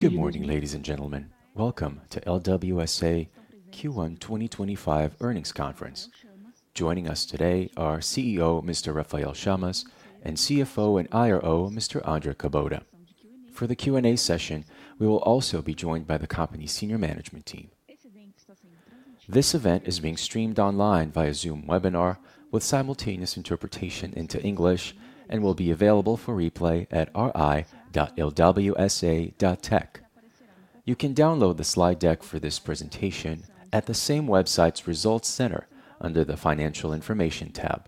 Good morning, ladies and gentlemen. Welcome to LWSA Q1 2025 earnings conference. Joining us today are CEO Mr. Rafael Chamas and CFO and IRO Mr. Andre Kubota. For the Q&A session, we will also be joined by the company's senior management team. This event is being streamed online via Zoom webinar with simultaneous interpretation into English and will be available for replay at ri.lwsa.tech. You can download the slide deck for this presentation at the same website's results center under the Financial Information tab.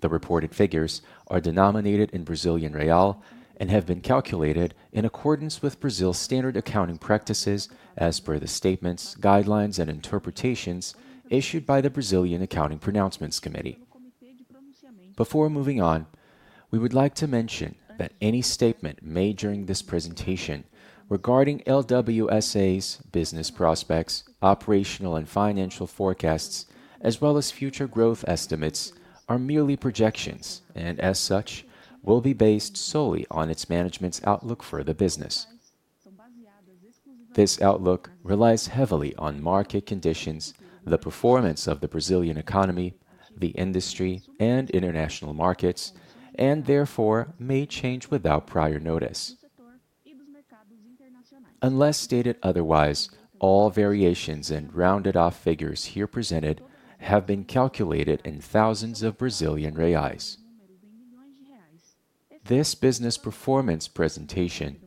The reported figures are denominated in BRL and have been calculated in accordance with Brazil's standard accounting practices as per the statements, guidelines, and interpretations issued by the Brazilian Accounting Pronouncements Committee. Before moving on, we would like to mention that any statement made during this presentation regarding LWSA's business prospects, operational and financial forecasts, as well as future growth estimates, are merely projections and, as such, will be based solely on its management's outlook for the business. This outlook relies heavily on market conditions, the performance of the Brazilian economy, the industry, and international markets, and therefore may change without prior notice. Unless stated otherwise, all variations and rounded-off figures here presented have been calculated in thousands of BRL. This business performance presentation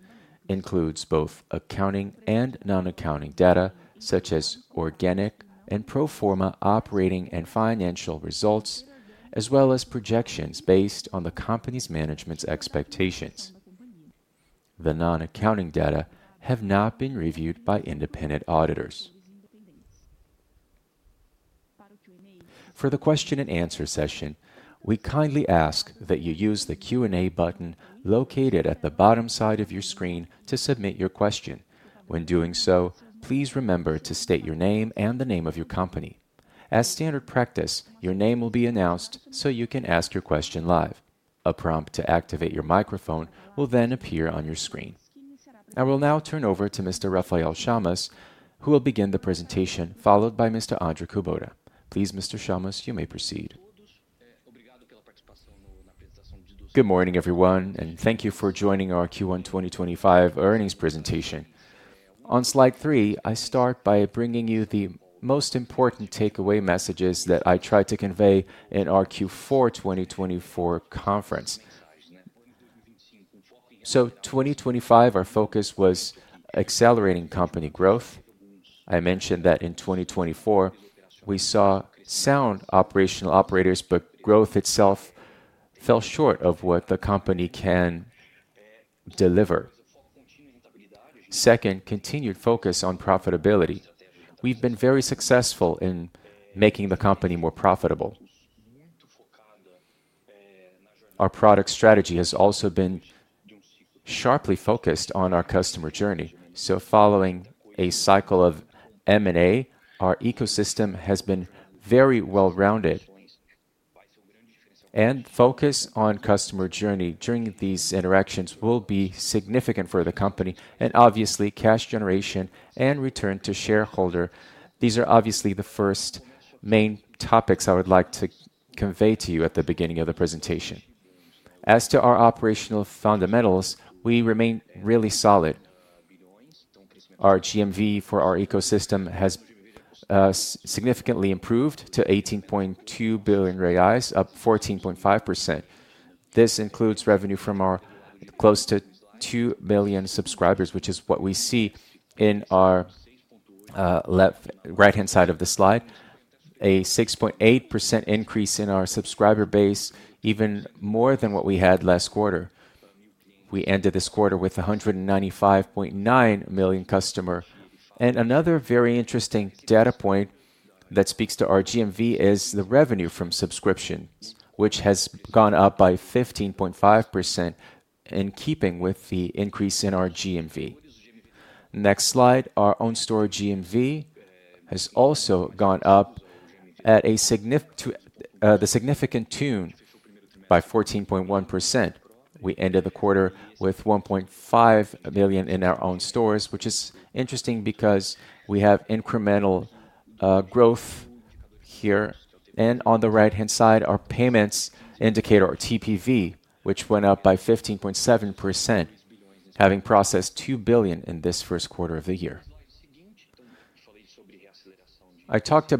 includes both accounting and non-accounting data such as organic and pro forma operating and financial results, as well as projections based on the company's management's expectations. The non-accounting data have not been reviewed by independent auditors. For the question and answer session, we kindly ask that you use the Q&A button located at the bottom side of your screen to submit your question. When doing so, please remember to state your name and the name of your company. As standard practice, your name will be announced so you can ask your question live. A prompt to activate your microphone will then appear on your screen. I will now turn over to Mr. Rafael Chamas, who will begin the presentation, followed by Mr. Andre Kubota. Please, Mr. Chamas, you may proceed. Good morning, everyone, and thank you for joining our Q1 2025 earnings presentation. On slide three, I start by bringing you the most important takeaway messages that I tried to convey in our Q4 2024 conference. 2025, our focus was accelerating company growth. I mentioned that in 2024, we saw sound operational operators, but growth itself fell short of what the company can deliver. Second, continued focus on profitability. We've been very successful in making the company more profitable. Our product strategy has also been sharply focused on our customer journey. Following a cycle of M&A, our ecosystem has been very well-rounded, and focus on customer journey during these interactions will be significant for the company and, obviously, cash generation and return to shareholder. These are obviously the first main topics I would like to convey to you at the beginning of the presentation. As to our operational fundamentals, we remain really solid. Our GMV for our ecosystem has significantly improved to 18.2 billion reais, up 14.5%. This includes revenue from our close to 2 million subscribers, which is what we see in our right-hand side of the slide, a 6.8% increase in our subscriber base, even more than what we had last quarter. We ended this quarter with 195.9 million customers. Another very interesting data point that speaks to our GMV is the revenue from subscription, which has gone up by 15.5% in keeping with the increase in our GMV. Next slide, our own store GMV has also gone up at a significant tune by 14.1%. We ended the quarter with 1.5 million in our own stores, which is interesting because we have incremental growth here. On the right-hand side, our payments indicator, our TPV, went up by 15.7%, having processed 2 billion in this first quarter of the year. I talked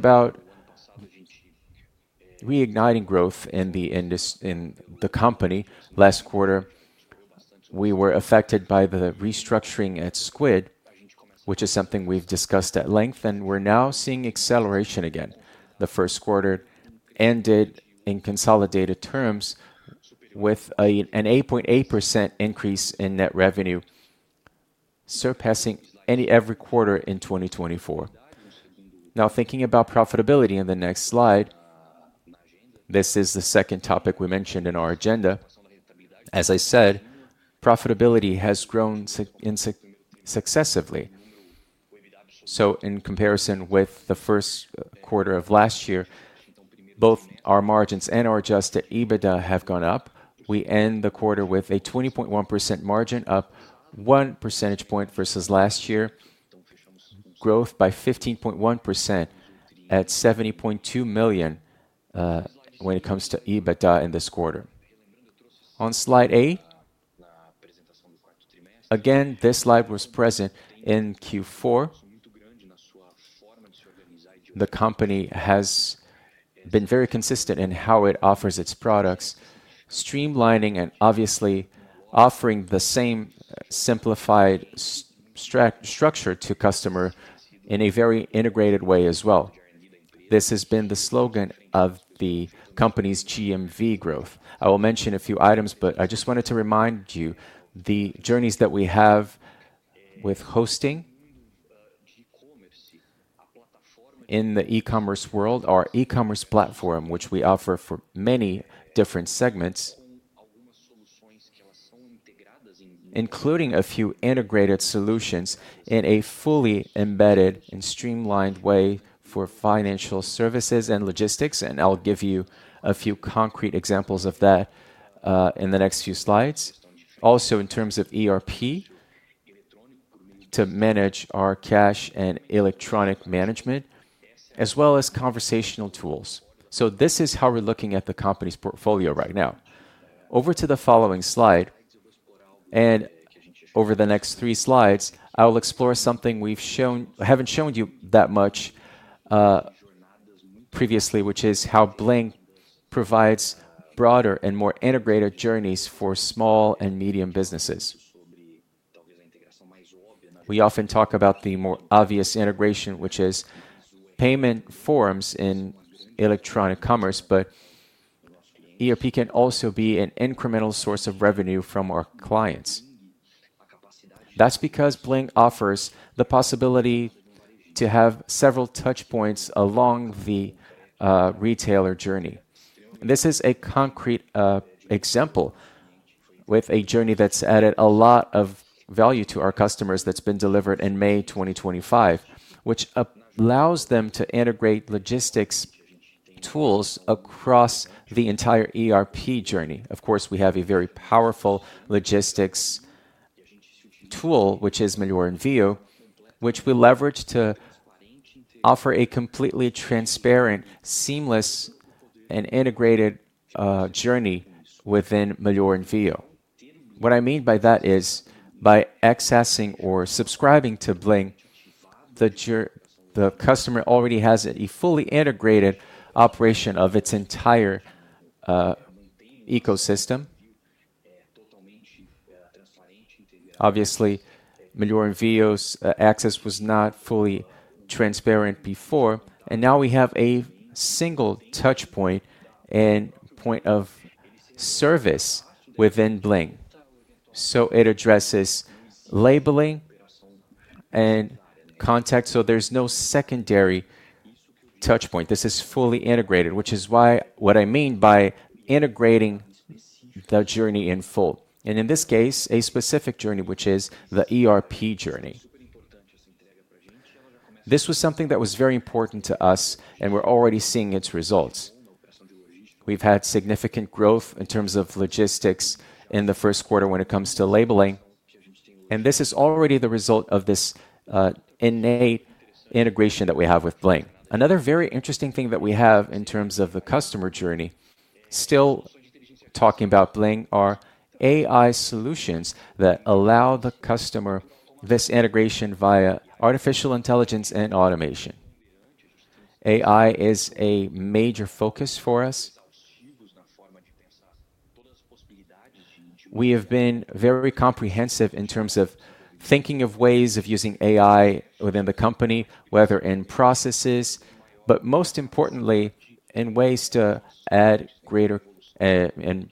about reigniting growth in the company last quarter. We were affected by the restructuring at Squid, which is something we have discussed at length, and we are now seeing acceleration again. The first quarter ended in consolidated terms with an 8.8% increase in net revenue, surpassing every quarter in 2024. Now, thinking about profitability in the next slide, this is the second topic we mentioned in our agenda. As I said, profitability has grown successively. In comparison with the first quarter of last year, both our margins and our adjusted EBITDA have gone up. We end the quarter with a 20.1% margin, up 1 percentage point versus last year, growth by 15.1% at 70.2 million when it comes to EBITDA in this quarter. On slide eight, again, this slide was present in Q4. The company has been very consistent in how it offers its products, streamlining and obviously offering the same simplified structure to customers in a very integrated way as well. This has been the slogan of the company's GMV growth. I will mention a few items, but I just wanted to remind you the journeys that we have with hosting in the e-commerce world, our e-commerce platform, which we offer for many different segments, including a few integrated solutions in a fully embedded and streamlined way for financial services and logistics. I will give you a few concrete examples of that in the next few slides. Also, in terms of ERP, to manage our cash and electronic management, as well as conversational tools. This is how we're looking at the company's portfolio right now. Over to the following slide, and over the next three slides, I will explore something we haven't shown you that much previously, which is how Bling provides broader and more integrated journeys for small and medium businesses. We often talk about the more obvious integration, which is payment forms in electronic commerce, but ERP can also be an incremental source of revenue from our clients. That's because Bling offers the possibility to have several touchpoints along the retailer journey. This is a concrete example with a journey that's added a lot of value to our customers that's been delivered in May 2025, which allows them to integrate logistics tools across the entire ERP journey. Of course, we have a very powerful logistics tool, which is Melhor Envio, which we leverage to offer a completely transparent, seamless, and integrated journey within Melhor Envio. What I mean by that is by accessing or subscribing to Bling, the customer already has a fully integrated operation of its entire ecosystem. Obviously, Melhor Envio's access was not fully transparent before, and now we have a single touchpoint and point of service within Bling. It addresses labeling and contact, so there's no secondary touchpoint. This is fully integrated, which is why what I mean by integrating the journey in full. In this case, a specific journey, which is the ERP journey. This was something that was very important to us, and we're already seeing its results. We've had significant growth in terms of logistics in the first quarter when it comes to labeling, and this is already the result of this innate integration that we have with Bling. Another very interesting thing that we have in terms of the customer journey, still talking about Bling, are AI solutions that allow the customer this integration via artificial intelligence and automation. AI is a major focus for us. We have been very comprehensive in terms of thinking of ways of using AI within the company, whether in processes, but most importantly, in ways to add greater and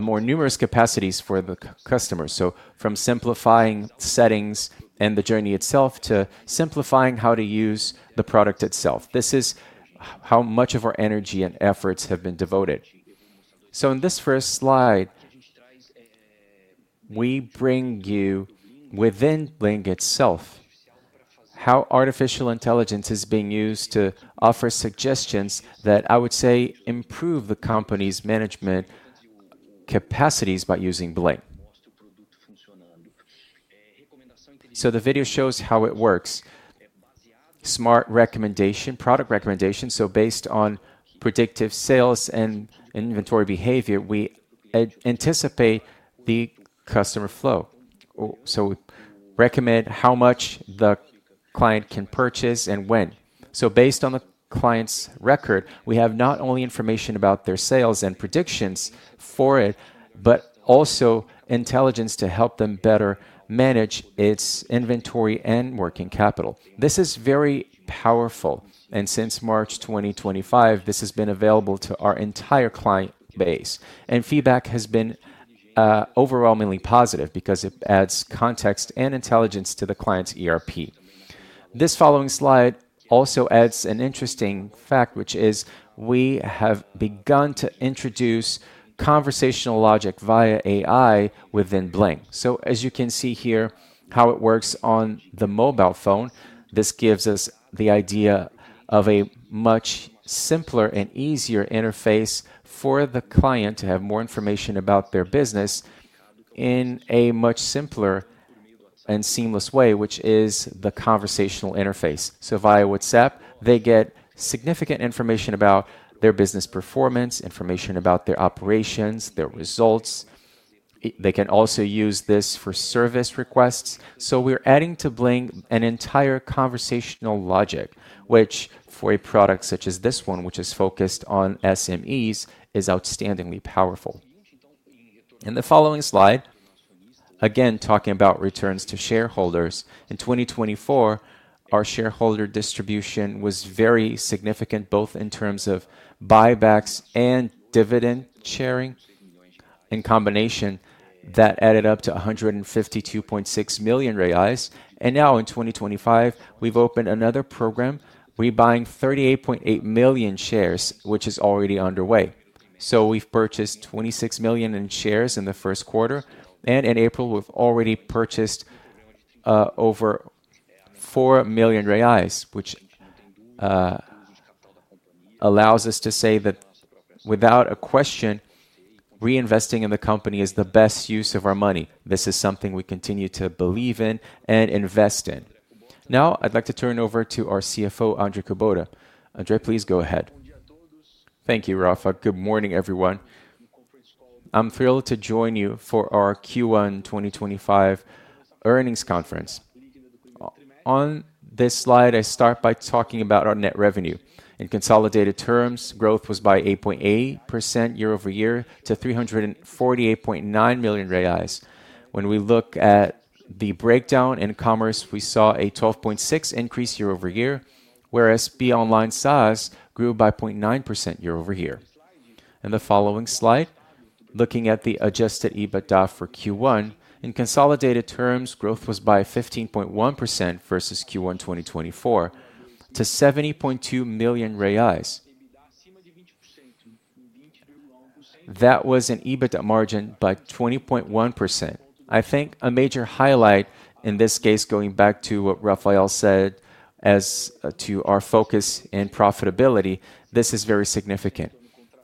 more numerous capacities for the customers. From simplifying settings and the journey itself to simplifying how to use the product itself. This is how much of our energy and efforts have been devoted. In this first slide, we bring you within Bling itself how artificial intelligence is being used to offer suggestions that I would say improve the company's management capacities by using Bling. The video shows how it works. Smart recommendation, product recommendation. Based on predictive sales and inventory behavior, we anticipate the customer flow. We recommend how much the client can purchase and when. Based on the client's record, we have not only information about their sales and predictions for it, but also intelligence to help them better manage its inventory and working capital. This is very powerful, and since March 2025, this has been available to our entire client base. Feedback has been overwhelmingly positive because it adds context and intelligence to the client's ERP. This following slide also adds an interesting fact, which is we have begun to introduce conversational logic via AI within Bling. As you can see here how it works on the mobile phone, this gives us the idea of a much simpler and easier interface for the client to have more information about their business in a much simpler and seamless way, which is the conversational interface. Via WhatsApp, they get significant information about their business performance, information about their operations, their results. They can also use this for service requests. We're adding to Bling an entire conversational logic, which for a product such as this one, which is focused on SMEs, is outstandingly powerful. In the following slide, again talking about returns to shareholders. In 2024, our shareholder distribution was very significant, both in terms of buybacks and dividend sharing in combination that added up to 152.6 million reais. In 2025, we have opened another program, rebuying 38.8 million shares, which is already underway. We have purchased 26 million in shares in the first quarter, and in April, we have already purchased over 4 million reais, which allows us to say that without a question, reinvesting in the company is the best use of our money. This is something we continue to believe in and invest in. Now, I would like to turn it over to our CFO, Andre Kubota. Andre, please go ahead. Thank you, Rafa. Good morning, everyone. I am thrilled to join you for our Q1 2025 earnings conference. On this slide, I start by talking about our net revenue. In consolidated terms, growth was by 8.8% year-over-year to 348.9 million reais. When we look at the breakdown in commerce, we saw a 12.6% increase year-over-year, whereas B Online SaaS grew by 0.9% year-over-year. In the following slide, looking at the adjusted EBITDA for Q1, in consolidated terms, growth was by 15.1% versus Q1 2024 to 70.2 million reais. That was an EBITDA margin by 20.1%. I think a major highlight in this case, going back to what Rafael said as to our focus and profitability, this is very significant.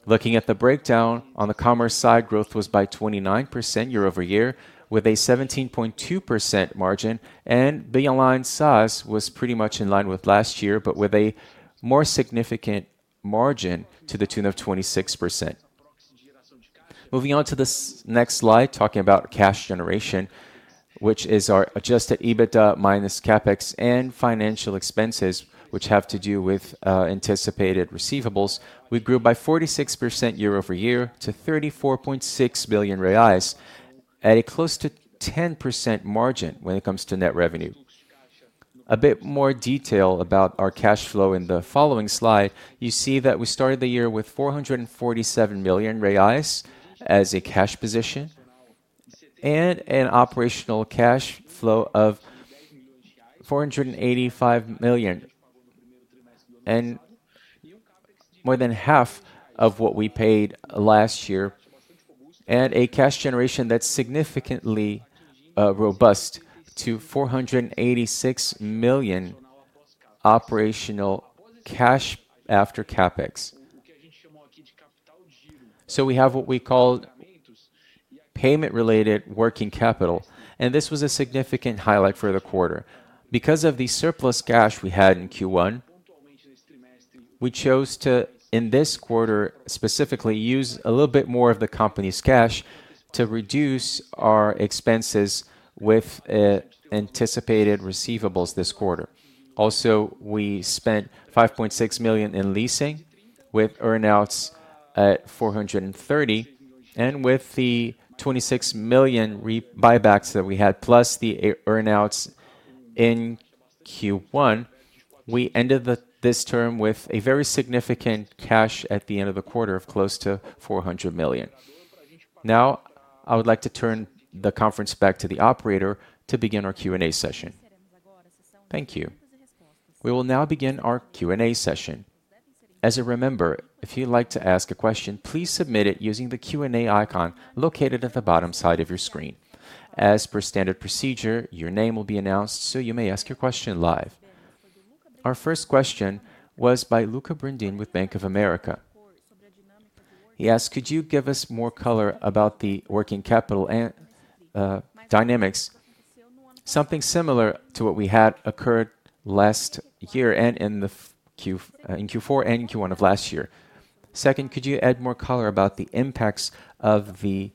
Looking at the breakdown on the commerce side, growth was by 29% year-over-year with a 17.2% margin, and B Online SaaS was pretty much in line with last year, but with a more significant margin to the tune of 26%. Moving on to the next slide, talking about cash generation, which is our adjusted EBITDA minus CapEx and financial expenses, which have to do with anticipated receivables. We grew by 46% year-over-year to 34.6 billion reais, at a close to 10% margin when it comes to net revenue. A bit more detail about our cash flow in the following slide. You see that we started the year with 447 million reais as a cash position and an operational cash flow of 485 million, and more than half of what we paid last year, and a cash generation that's significantly robust to 486 million operational cash after CapEx. We have what we call payment-related working capital, and this was a significant highlight for the quarter. Because of the surplus cash we had in Q1, we chose to, in this quarter specifically, use a little bit more of the company's cash to reduce our expenses with anticipated receivables this quarter. Also, we spent 5.6 million in leasing with earnouts at 430,000, and with the 26 million buybacks that we had, plus the earnouts in Q1, we ended this term with a very significant cash at the end of the quarter of close to 400 million. Now, I would like to turn the conference back to the operator to begin our Q&A session. Thank you. We will now begin our Q&A session. As a reminder, if you'd like to ask a question, please submit it using the Q&A icon located at the bottom side of your screen. As per standard procedure, your name will be announced, so you may ask your question live. Our first question was by Luca Brindin with Bank of America. He asked, could you give us more color about the working capital dynamics? Something similar to what we had occurred last year and in Q4 and Q1 of last year. Second, could you add more color about the impacts of the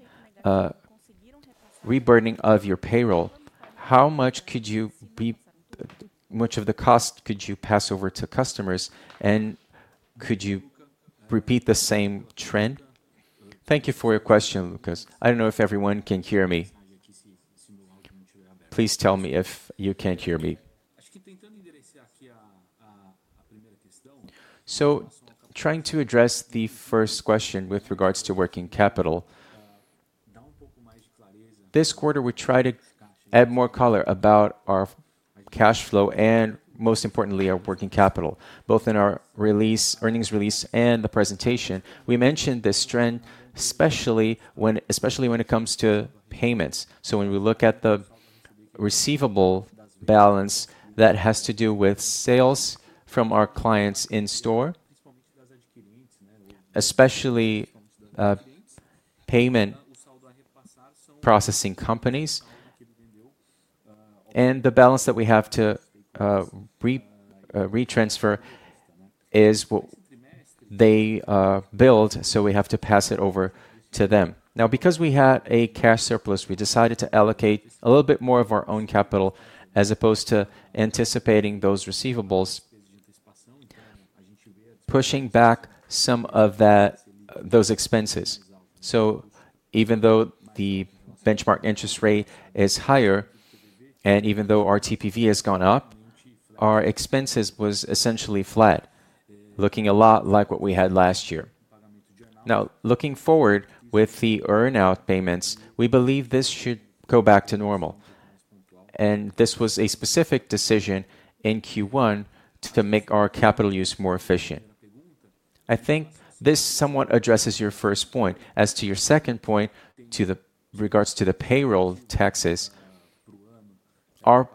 reburdening of your payroll? How much could you be much of the cost could you pass over to customers, and could you repeat the same trend? Thank you for your question, Luca. I do not know if everyone can hear me. Please tell me if you cannot hear me. Trying to address the first question with regards to working capital, this quarter we tried to add more color about our cash flow and, most importantly, our working capital. Both in our earnings release and the presentation, we mentioned this trend, especially when it comes to payments. When we look at the receivable balance that has to do with sales from our clients in store, especially payment processing companies, and the balance that we have to retransfer is what they build, so we have to pass it over to them. Now, because we had a cash surplus, we decided to allocate a little bit more of our own capital as opposed to anticipating those receivables, pushing back some of those expenses. Even though the benchmark interest rate is higher and even though our TPV has gone up, our expenses were essentially flat, looking a lot like what we had last year. Now, looking forward with the earnout payments, we believe this should go back to normal, and this was a specific decision in Q1 to make our capital use more efficient. I think this somewhat addresses your first point. As to your second point, with regards to the payroll taxes, our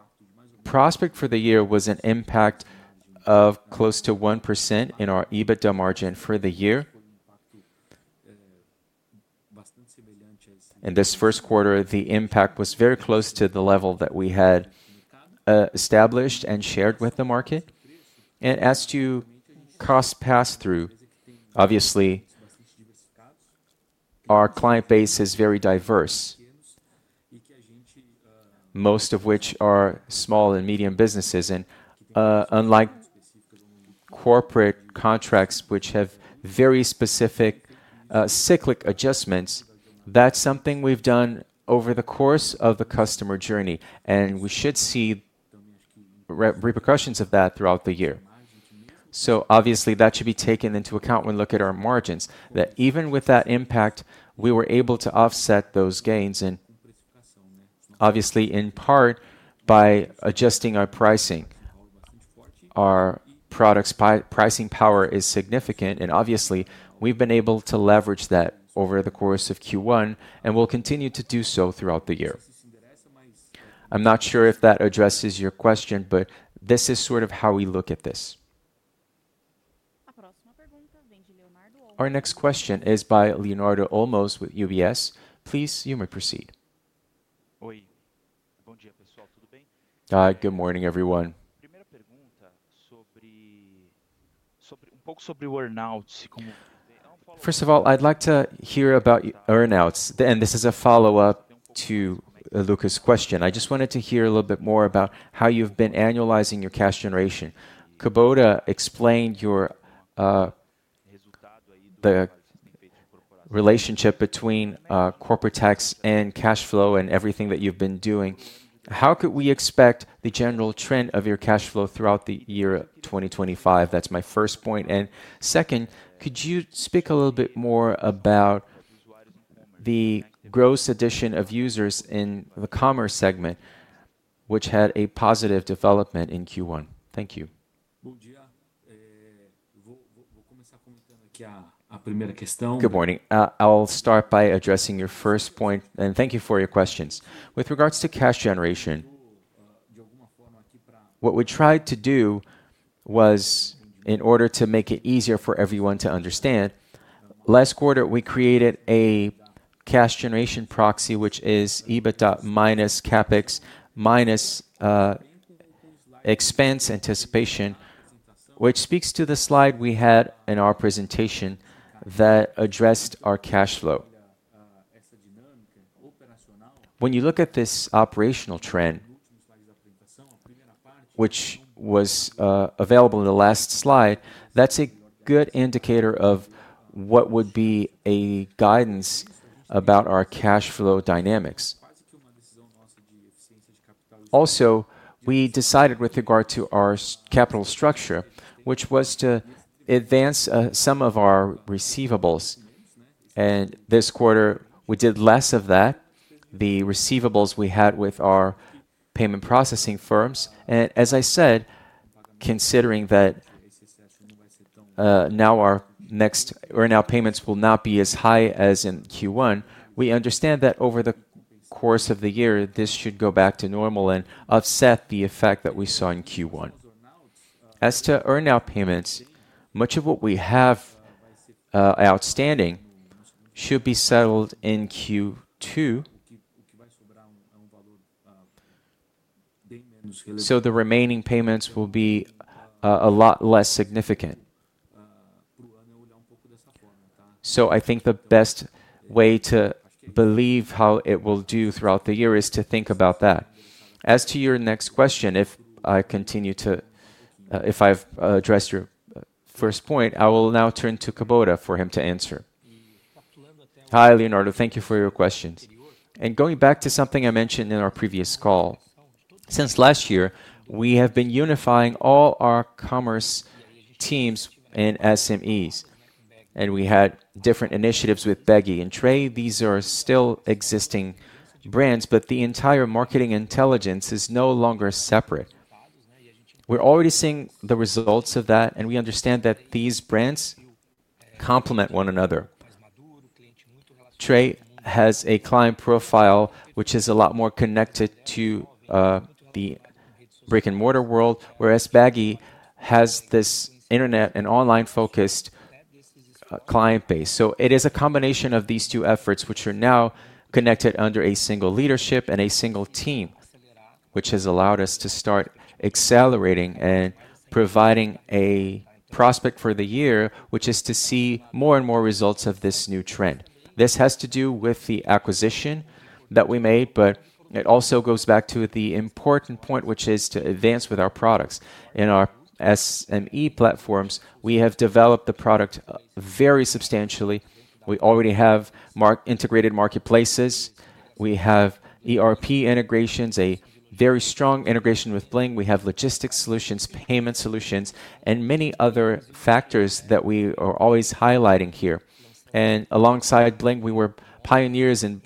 prospect for the year was an impact of close to 1% in our EBITDA margin for the year. In this first quarter, the impact was very close to the level that we had established and shared with the market. As to cost pass-through, obviously, our client base is very diverse, most of which are small and medium businesses. Unlike corporate contracts, which have very specific cyclic adjustments, that's something we've done over the course of the customer journey, and we should see repercussions of that throughout the year. Obviously, that should be taken into account when we look at our margins, that even with that impact, we were able to offset those gains, and obviously, in part, by adjusting our pricing. Our product's pricing power is significant, and obviously, we've been able to leverage that over the course of Q1, and we'll continue to do so throughout the year. I'm not sure if that addresses your question, but this is sort of how we look at this. A próxima pergunta vem de Leonardo Olmos. Our next question is by Leonardo Olmos with UBS. Please, you may proceed. Oi. Bom dia, pessoal. Tudo bem? Good morning, everyone. pouco sobre earnouts. First of all, I'd like to hear about earnouts, and this is a follow-up to Luca's question. I just wanted to hear a little bit more about how you've been annualizing your cash generation. Kubota explained the relationship between corporate tax and cash flow and everything that you've been doing. How could we expect the general trend of your cash flow throughout the year 2025? That's my first point. Second, could you speak a little bit more about the gross addition of users in the commerce segment, which had a positive development in Q1? Thank you. Bom dia. Vou começar comentando aqui a primeira questão. Good morning. I'll start by addressing your first point, and thank you for your questions. With regards to cash generation, what we tried to do was, in order to make it easier for everyone to understand, last quarter we created a cash generation proxy, which is EBITDA minus CapEx minus expense anticipation, which speaks to the slide we had in our presentation that addressed our cash flow. When you look at this operational trend, which was available in the last slide, that's a good indicator of what would be a guidance about our cash flow dynamics. Also, we decided with regard to our capital structure, which was to advance some of our receivables. This quarter, we did less of that, the receivables we had with our payment processing firms. As I said, considering that now our next earnout payments will not be as high as in Q1, we understand that over the course of the year, this should go back to normal and offset the effect that we saw in Q1. As to earnout payments, much of what we have outstanding should be settled in Q2, so the remaining payments will be a lot less significant. I think the best way to believe how it will do throughout the year is to think about that. As to your next question, if I continue to, if I have addressed your first point, I will now turn to Kubota for him to answer. Hi, Leonardo. Thank you for your questions. Going back to something I mentioned in our previous call, since last year, we have been unifying all our commerce teams and SMEs, and we had different initiatives with Bagy and Trey. These are still existing brands, but the entire marketing intelligence is no longer separate. We are already seeing the results of that, and we understand that these brands complement one another. Trey has a client profile which is a lot more connected to the brick-and-mortar world, whereas Bagy has this internet and online-focused client base. It is a combination of these two efforts which are now connected under a single leadership and a single team, which has allowed us to start accelerating and providing a prospect for the year, which is to see more and more results of this new trend. This has to do with the acquisition that we made, but it also goes back to the important point, which is to advance with our products. In our SME platforms, we have developed the product very substantially. We already have integrated marketplaces. We have ERP integrations, a very strong integration with Bling. We have logistics solutions, payment solutions, and many other factors that we are always highlighting here. Alongside Bling, we were pioneers in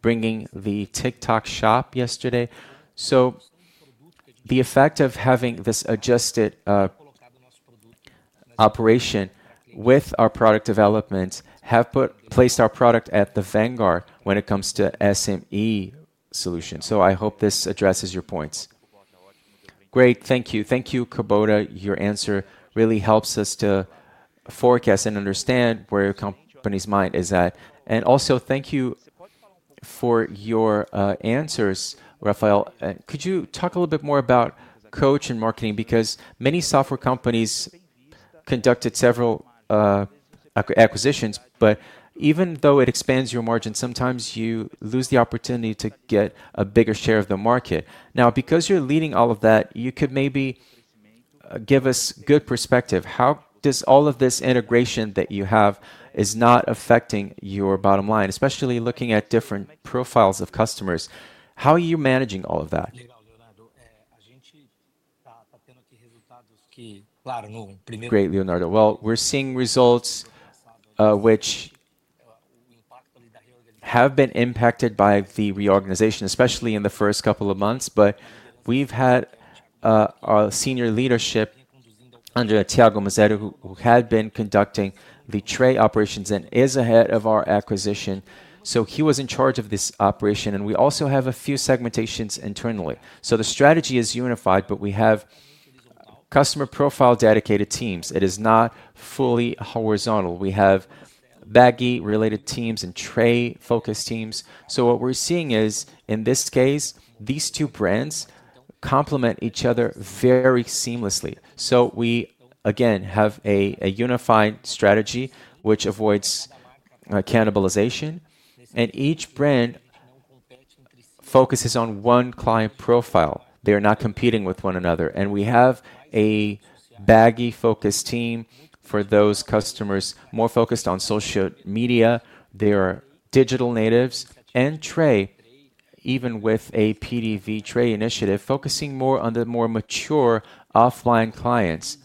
bringing the TikTok Shop yesterday. The effect of having this adjusted operation with our product developments has placed our product at the vanguard when it comes to SME solutions. I hope this addresses your points. Great. Thank you. Thank you, Kubota. Your answer really helps us to forecast and understand where your company's mind is at. Also, thank you for your answers, Rafael. Could you talk a little bit more about coach and marketing? Because many software companies conducted several acquisitions, but even though it expands your margin, sometimes you lose the opportunity to get a bigger share of the market. Now, because you're leading all of that, you could maybe give us good perspective. How does all of this integration that you have is not affecting your bottom line, especially looking at different profiles of customers? How are you managing all of that? A gente está tendo aqui resultados que, claro, no primeiro. Great, Leonardo. We are seeing results which have been impacted by the reorganization, especially in the first couple of months. We have had our senior leadership under Thiago Maseri, who had been conducting the Trey operations and is ahead of our acquisition. He was in charge of this operation, and we also have a few segmentations internally. The strategy is unified, but we have customer profile dedicated teams. It is not fully horizontal. We have Bagy-related teams and Trey-focused teams. What we're seeing is, in this case, these two brands complement each other very seamlessly. We again have a unified strategy which avoids cannibalization, and each brand focuses on one client profile. They are not competing with one another. We have a Bagy-focused team for those customers more focused on social media. They are digital natives. Trey, even with a PDV Trey initiative, is focusing more on the more mature offline clients,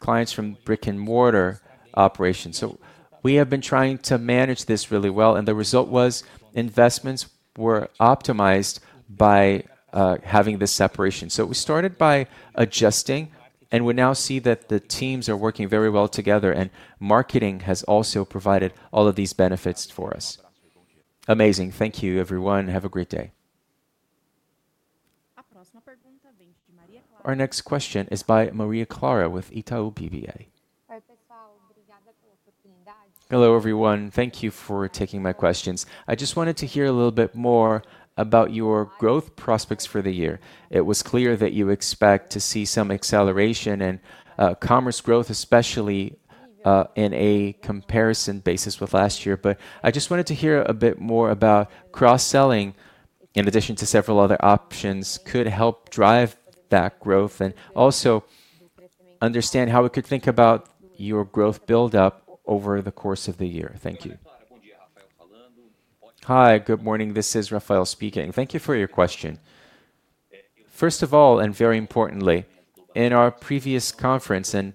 clients from brick-and-mortar operations. We have been trying to manage this really well, and the result was investments were optimized by having this separation. We started by adjusting, and we now see that the teams are working very well together, and marketing has also provided all of these benefits for us. Amazing. Thank you, everyone. Have a great day. A próxima pergunta vem de Maria Clara. Our next question is by Maria Clara with Itaú BBA. Oi, pessoal. Obrigada pela oportunidade. Hello, everyone. Thank you for taking my questions. I just wanted to hear a little bit more about your growth prospects for the year. It was clear that you expect to see some acceleration in commerce growth, especially in a comparison basis with last year. I just wanted to hear a bit more about cross-selling, in addition to several other options, could help drive that growth and also understand how we could think about your growth build-up over the course of the year. Thank you. Hi, good morning. This is Rafael speaking. Thank you for your question. First of all, and very importantly, in our previous conference, and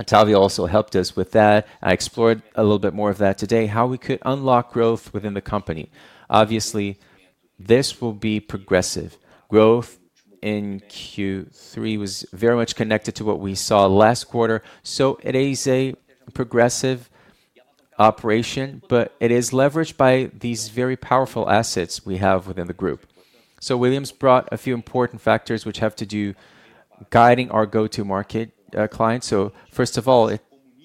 Otávio also helped us with that, I explored a little bit more of that today, how we could unlock growth within the company. Obviously, this will be progressive. Growth in Q3 was very much connected to what we saw last quarter. It is a progressive operation, but it is leveraged by these very powerful assets we have within the group. Willians brought a few important factors which have to do with guiding our go-to-market clients. First of all,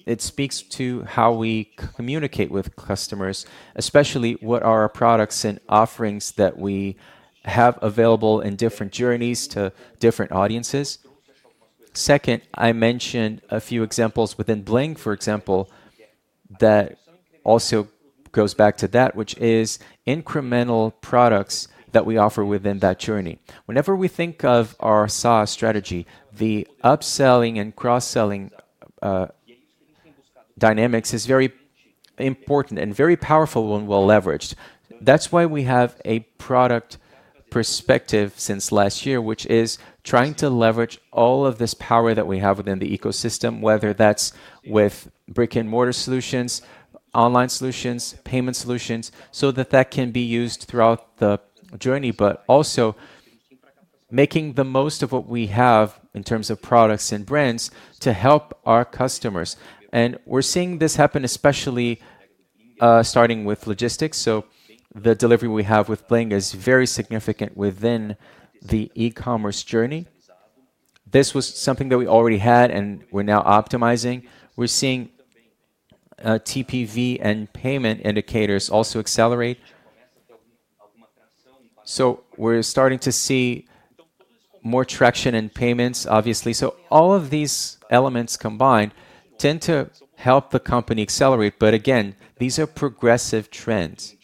it speaks to how we communicate with customers, especially what are our products and offerings that we have available in different journeys to different audiences. Second, I mentioned a few examples within Bling, for example, that also goes back to that, which is incremental products that we offer within that journey. Whenever we think of our SaaS strategy, the upselling and cross-selling dynamics are very important and very powerful when well leveraged. That is why we have a product perspective since last year, which is trying to leverage all of this power that we have within the ecosystem, whether that is with brick-and-mortar solutions, online solutions, payment solutions, so that that can be used throughout the journey, but also making the most of what we have in terms of products and brands to help our customers. We are seeing this happen, especially starting with logistics. The delivery we have with Bling is very significant within the e-commerce journey. This was something that we already had, and we are now optimizing. We're seeing TPV and payment indicators also accelerate. We're starting to see more traction in payments, obviously. All of these elements combined tend to help the company accelerate. Again, these are progressive trends.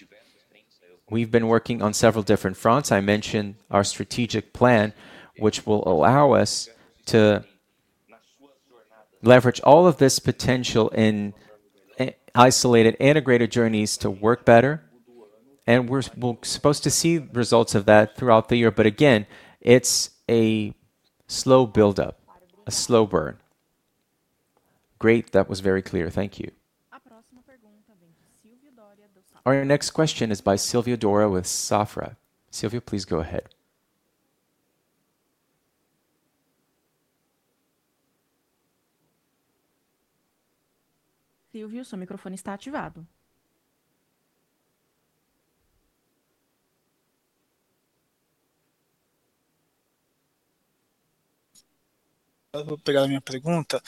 We've been working on several different fronts. I mentioned our strategic plan, which will allow us to leverage all of this potential in isolated, integrated journeys to work better. We're supposed to see results of that throughout the year. Again, it's a slow build-up, a slow burn. Great. That was very clear. Thank you. A próxima pergunta vem de Silvia Doria. Our next question is by Silvia Doria with Safra. Silvia, please go ahead. Silvia, seu microfone está ativado. Vou pegar a minha pergunta.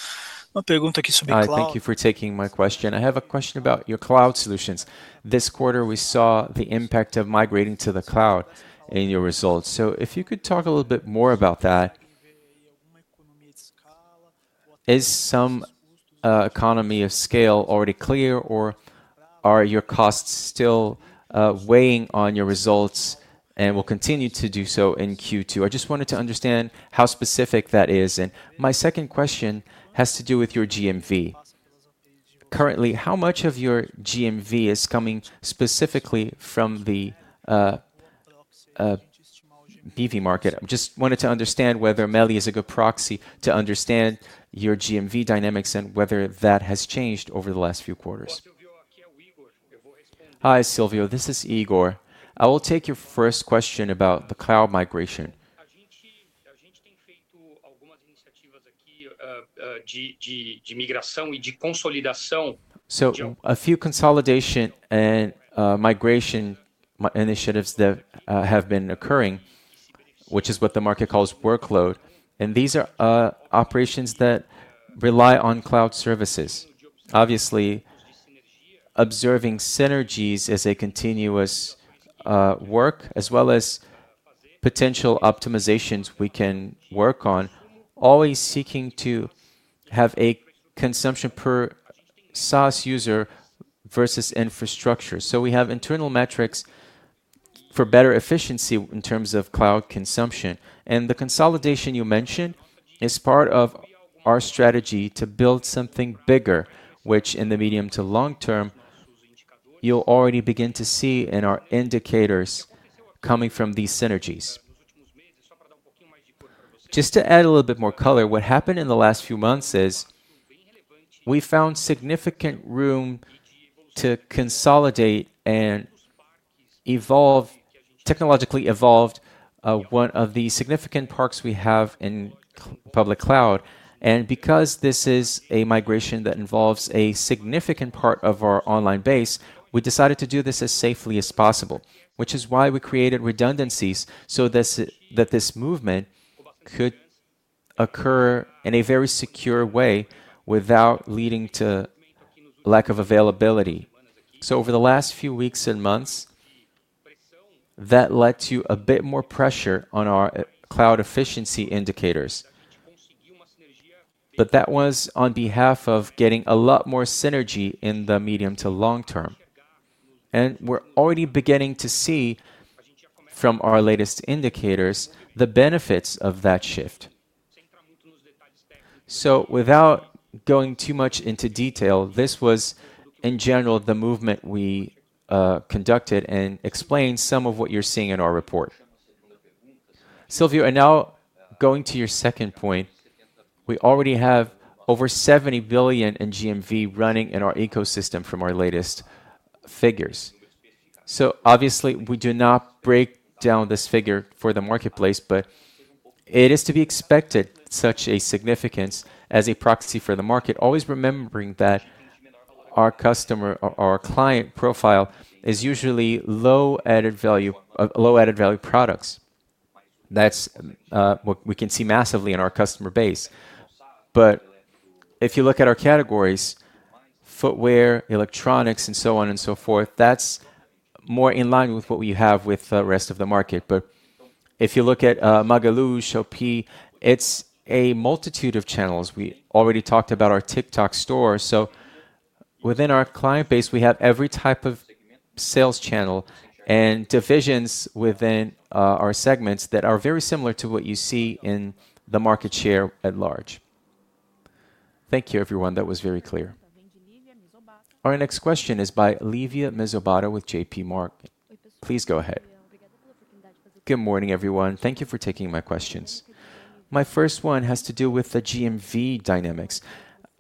Uma pergunta aqui sobre cloud. Hi, thank you for taking my question. I have a question about your cloud solutions. This quarter, we saw the impact of migrating to the cloud in your results. If you could talk a little bit more about that, is some economy of scale already clear, or are your costs still weighing on your results and will continue to do so in Q2? I just wanted to understand how specific that is. My second question has to do with your GMV. Currently, how much of your GMV is coming specifically from the BV market? I just wanted to understand whether Meli is a good proxy to understand your GMV dynamics and whether that has changed over the last few quarters. Hi, Silvia. This is Igor. I will take your first question about the cloud migration. A gente tem feito algumas iniciativas aqui de migração e de consolidação. A few consolidation and migration initiatives have been occurring, which is what the market calls workload. These are operations that rely on cloud services. Obviously, observing synergies is a continuous work, as well as potential optimizations we can work on, always seeking to have a consumption per SaaS user versus infrastructure. We have internal metrics for better efficiency in terms of cloud consumption. The consolidation you mentioned is part of our strategy to build something bigger, which in the medium to long term, you will already begin to see in our indicators coming from these synergies. Just to add a little bit more color, what happened in the last few months is we found significant room to consolidate and technologically evolve one of the significant perks we have in public cloud. Because this is a migration that involves a significant part of our online base, we decided to do this as safely as possible, which is why we created redundancies so that this movement could occur in a very secure way without leading to lack of availability. Over the last few weeks and months, that led to a bit more pressure on our cloud efficiency indicators. That was on behalf of getting a lot more synergy in the medium to long term. We are already beginning to see, from our latest indicators, the benefits of that shift. Without going too much into detail, this was, in general, the movement we conducted and explained some of what you are seeing in our report. Silvia, and now going to your second point, we already have over 70 billion in GMV running in our ecosystem from our latest figures. Obviously, we do not break down this figure for the marketplace, but it is to be expected such a significance as a proxy for the market, always remembering that our customer or our client profile is usually low-added value products. That is what we can see massively in our customer base. If you look at our categories, footwear, electronics, and so on and so forth, that is more in line with what we have with the rest of the market. If you look at Magalu, Shopee, it is a multitude of channels. We already talked about our TikTok store. Within our client base, we have every type of sales channel and divisions within our segments that are very similar to what you see in the market share at large. Thank you, everyone. That was very clear. Our next question is by Livia Mezzobato with JPMorgan. Please go ahead. Good morning, everyone. Thank you for taking my questions. My first one has to do with the GMV dynamics.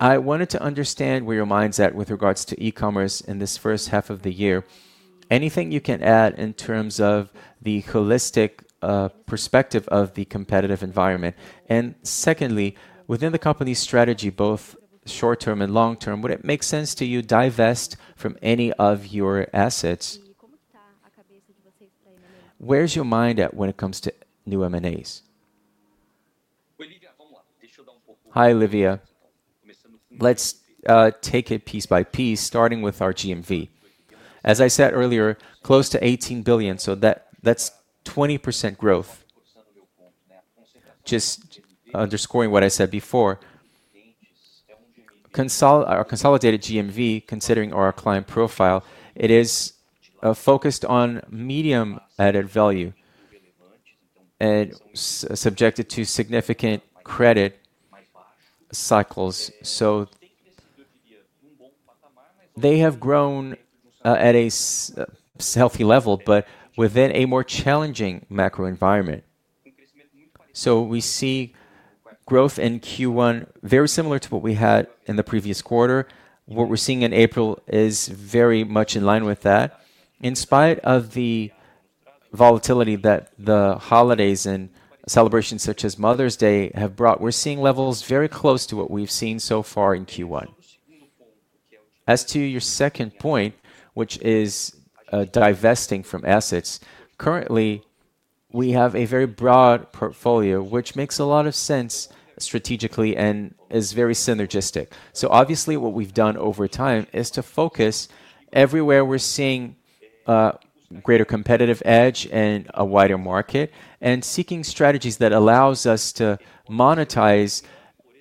I wanted to understand where your mind's at with regards to e-commerce in this first half of the year. Anything you can add in terms of the holistic perspective of the competitive environment? Secondly, within the company's strategy, both short-term and long-term, would it make sense to you to divest from any of your assets? Where's your mind at when it comes to new M&As? Hi, Livia. Let's take it piece by piece, starting with our GMV. As I said earlier, close to 18 billion. That's 20% growth. Just underscoring what I said before, our consolidated GMV, considering our client profile, is focused on medium-added value and subjected to significant credit cycles. They have grown at a healthy level, but within a more challenging macro environment. We see growth in Q1 very similar to what we had in the previous quarter. What we're seeing in April is very much in line with that. In spite of the volatility that the holidays and celebrations such as Mother's Day have brought, we're seeing levels very close to what we've seen so far in Q1. As to your second point, which is divesting from assets, currently, we have a very broad portfolio, which makes a lot of sense strategically and is very synergistic. Obviously, what we've done over time is to focus everywhere we're seeing greater competitive edge and a wider market and seeking strategies that allow us to monetize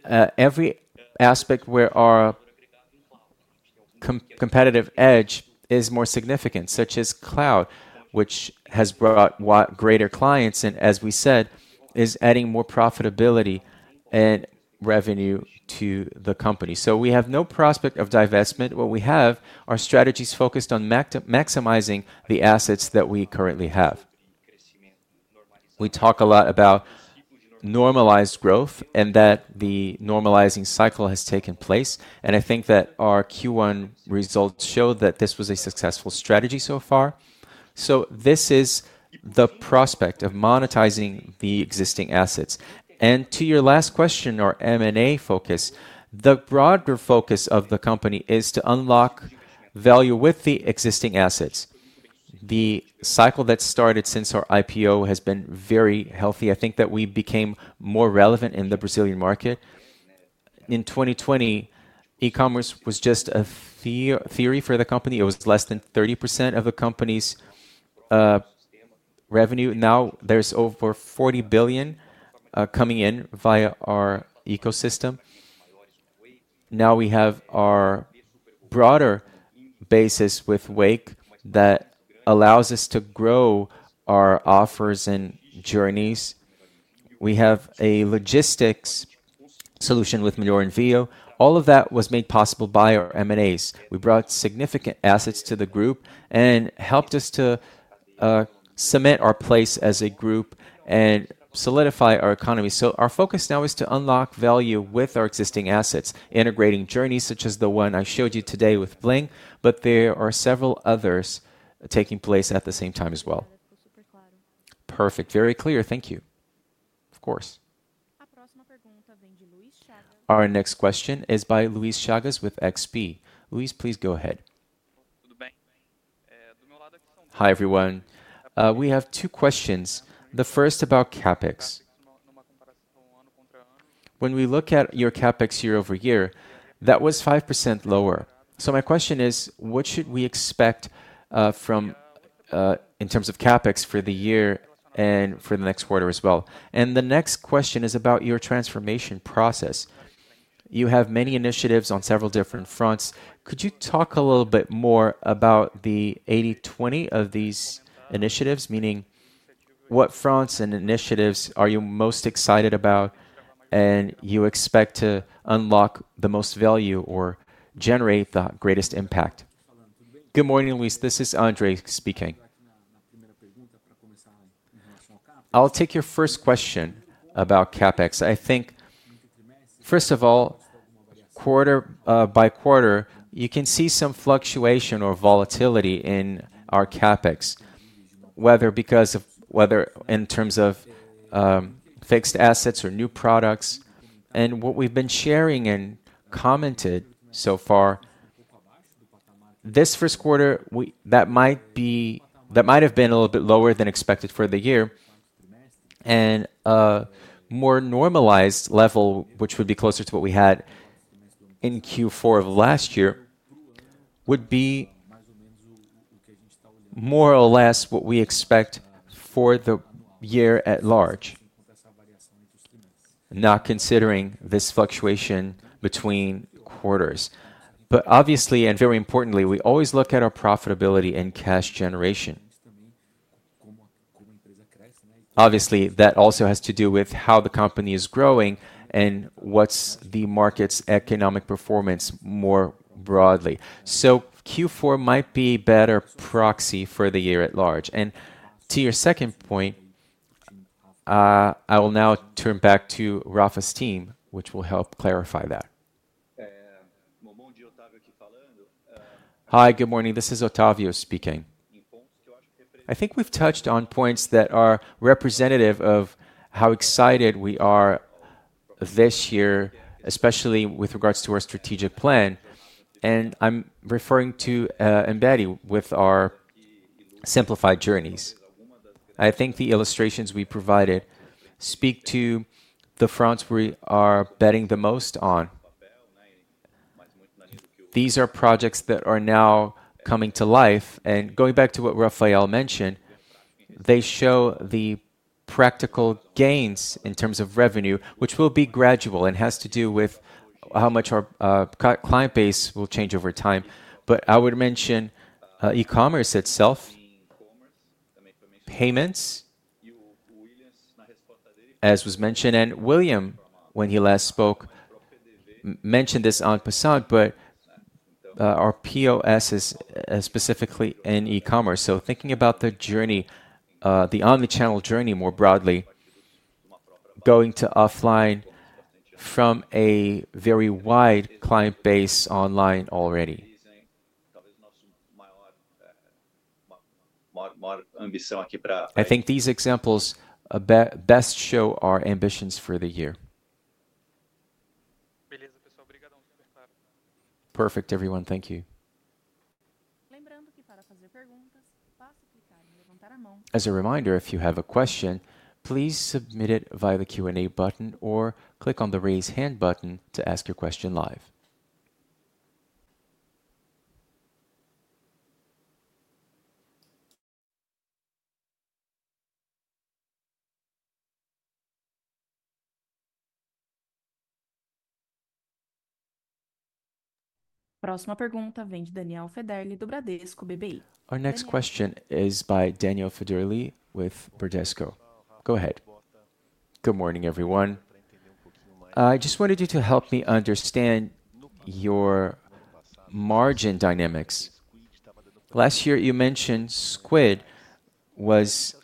every aspect where our competitive edge is more significant, such as cloud, which has brought greater clients and, as we said, is adding more profitability and revenue to the company. We have no prospect of divestment. What we have are strategies focused on maximizing the assets that we currently have. We talk a lot about normalized growth and that the normalizing cycle has taken place. I think that our Q1 results show that this was a successful strategy so far. This is the prospect of monetizing the existing assets. To your last question, our M&A focus, the broader focus of the company is to unlock value with the existing assets. The cycle that started since our IPO has been very healthy. I think that we became more relevant in the Brazilian market. In 2020, e-commerce was just a theory for the company. It was less than 30% of the company's revenue. Now, there is over 40 billion coming in via our ecosystem. Now, we have our broader basis with Wake that allows us to grow our offers and journeys. We have a logistics solution with Melhor Envio. All of that was made possible by our M&As. We brought significant assets to the group and helped us to cement our place as a group and solidify our economy. Our focus now is to unlock value with our existing assets, integrating journeys such as the one I showed you today with Bling, but there are several others taking place at the same time as well. Perfect. Very clear. Thank you. Of course. A próxima pergunta vem de Luís Chagas. Our next question is by Luís Chagas with XP. Luís, please go ahead. Hi, everyone. We have two questions. The first about CapEx. When we look at your CapEx year over year, that was 5% lower. My question is, what should we expect in terms of CapEx for the year and for the next quarter as well? The next question is about your transformation process. You have many initiatives on several different fronts. Could you talk a little bit more about the 80/20 of these initiatives, meaning what fronts and initiatives are you most excited about and you expect to unlock the most value or generate the greatest impact? Good morning, Luiz. This is Andre speaking. I'll take your first question about CapEx. I think, first of all, quarter by quarter, you can see some fluctuation or volatility in our CapEx, whether in terms of fixed assets or new products. What we've been sharing and commented so far, this first quarter, that might have been a little bit lower than expected for the year. A more normalized level, which would be closer to what we had in Q4 of last year, would be more or less what we expect for the year at large, not considering this fluctuation between quarters. Obviously, and very importantly, we always look at our profitability and cash generation. Obviously, that also has to do with how the company is growing and what is the market's economic performance more broadly. Q4 might be a better proxy for the year at large. To your second point, I will now turn back to Rafa's team, which will help clarify that. Hi, good morning. This is Otávio speaking. I think we have touched on points that are representative of how excited we are this year, especially with regards to our strategic plan. I am referring to embedding with our simplified journeys. I think the illustrations we provided speak to the fronts we are betting the most on. These are projects that are now coming to life. Going back to what Rafael mentioned, they show the practical gains in terms of revenue, which will be gradual. It has to do with how much our client base will change over time. I would mention e-commerce itself, payments, as was mentioned. William, when he last spoke, mentioned this on the side, but our POS is specifically in e-commerce. Thinking about the journey, the omnichannel journey more broadly, going to offline from a very wide client base online already. I think these examples best show our ambitions for the year. Perfect, everyone. Thank you. Lembrando que para fazer perguntas, basta clicar em levantar a mão. As a reminder, if you have a question, please submit it via the Q&A button or click on the raise hand button to ask your question live. Próxima pergunta vem de Daniel Federle do Bradesco BBI. Our next question is by Daniel Federle with Bradesco. Go ahead. Good morning, everyone. I just wanted you to help me understand your margin dynamics. Last year, you mentioned Squid was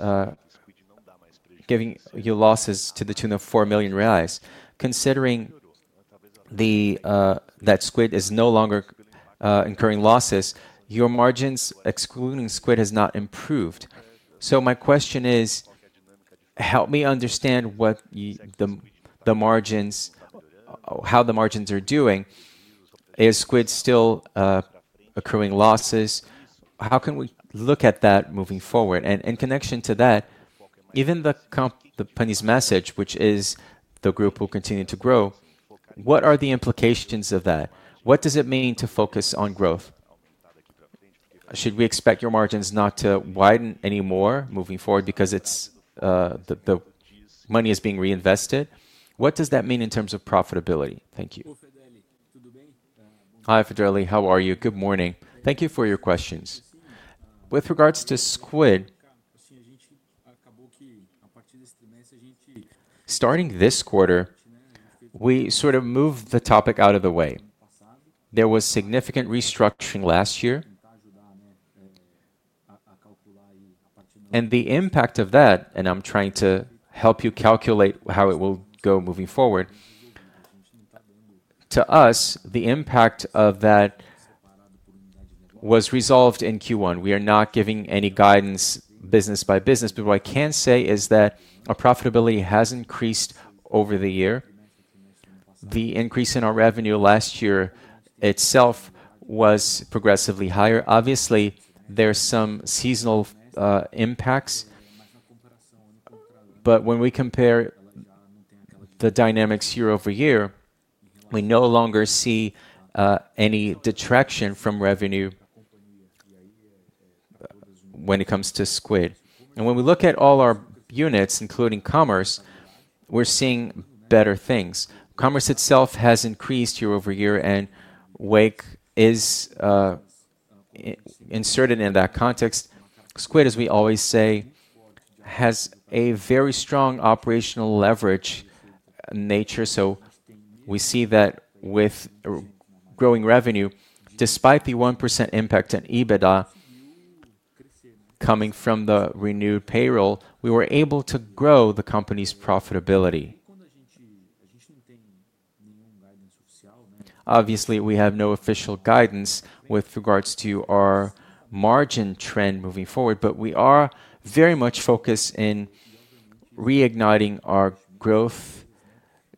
giving you losses to the tune of 4 million reais. Considering that Squid is no longer incurring losses, your margins excluding Squid have not improved. My question is, help me understand how the margins are doing. Is Squid still incurring losses? How can we look at that moving forward? In connection to that, even the company's message, which is the group will continue to grow, what are the implications of that? What does it mean to focus on growth? Should we expect your margins not to widen any more moving forward because the money is being reinvested? What does that mean in terms of profitability? Thank you. Hi, Federle. How are you? Good morning. Thank you for your questions. With regards to Squid, starting this quarter, we sort of moved the topic out of the way. There was significant restructuring last year, and the impact of that, and I'm trying to help you calculate how it will go moving forward, to us, the impact of that was resolved in Q1. We are not giving any guidance business by business. What I can say is that our profitability has increased over the year. The increase in our revenue last year itself was progressively higher. Obviously, there are some seasonal impacts, but when we compare the dynamics year over year, we no longer see any detraction from revenue when it comes to Squid. When we look at all our units, including commerce, we're seeing better things. Commerce itself has increased year over year, and Wake is inserted in that context. Squid, as we always say, has a very strong operational leverage nature. We see that with growing revenue, despite the 1% impact on EBITDA coming from the renewed payroll, we were able to grow the company's profitability. Obviously, we have no official guidance with regards to our margin trend moving forward, but we are very much focused on reigniting our growth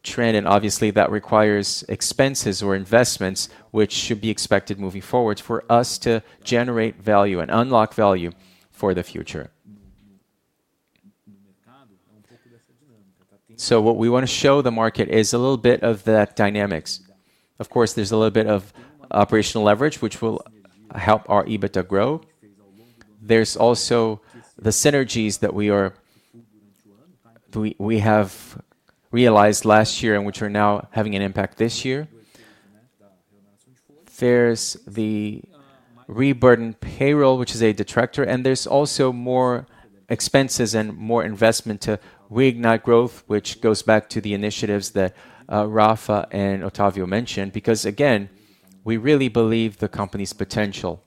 trend. That requires expenses or investments, which should be expected moving forward for us to generate value and unlock value for the future. What we want to show the market is a little bit of that dynamics. Of course, there's a little bit of operational leverage, which will help our EBITDA grow. There's also the synergies that we have realized last year and which are now having an impact this year. There's the reburdened payroll, which is a detractor, and there's also more expenses and more investment to reignite growth, which goes back to the initiatives that Rafa and Otávio mentioned. Because again, we really believe the company's potential.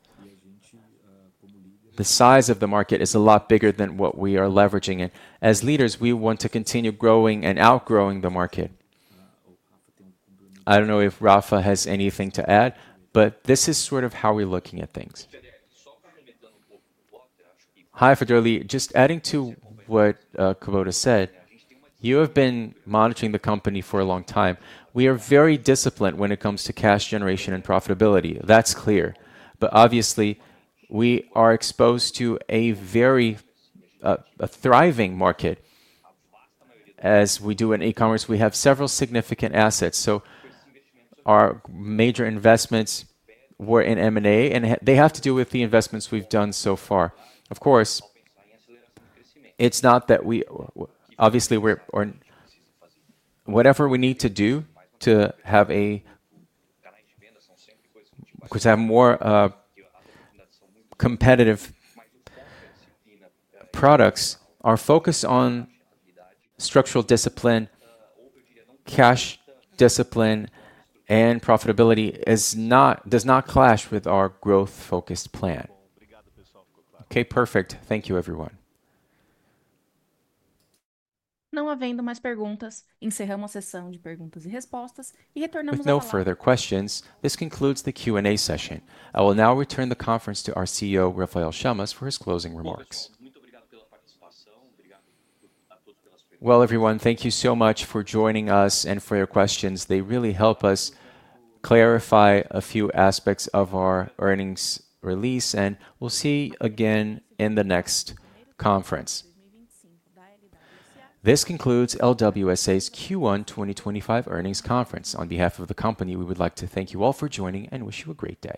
The size of the market is a lot bigger than what we are leveraging. As leaders, we want to continue growing and outgrowing the market. I do not know if Rafa has anything to add, but this is sort of how we're looking at things. Hi, Federli. Just adding to what Kubota said, you have been monitoring the company for a long time. We are very disciplined when it comes to cash generation and profitability. That is clear. Obviously, we are exposed to a very thriving market. As we do in e-commerce, we have several significant assets. Our major investments were in M&A, and they have to do with the investments we have done so far. Of course, it is not that we, obviously, whatever we need to do to have more competitive products, our focus on structural discipline, cash discipline, and profitability does not clash with our growth-focused plan. Okay, perfect. Thank you, everyone. Não havendo mais perguntas, encerramos a sessão de perguntas e respostas e retornamos agora. With no further questions, this concludes the Q&A session. I will now return the conference to our CEO, Rafael Chamas, for his closing remarks. Thank you so much for joining us and for your questions. They really help us clarify a few aspects of our earnings release, and we'll see you again in the next conference. This concludes LWSA's Q1 2025 earnings conference. On behalf of the company, we would like to thank you all for joining and wish you a great day.